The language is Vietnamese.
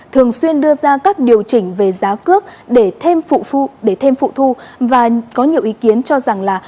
thường xuyên đưa ra các điều chỉnh về giá cước để thêm phụ thu và có nhiều ý kiến cho rằng là